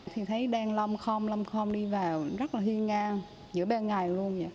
thì thấy đang lom khom lom khom đi vào rất là huyên nga giữa bên ngày luôn